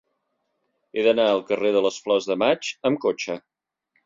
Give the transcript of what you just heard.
He d'anar al carrer de les Flors de Maig amb cotxe.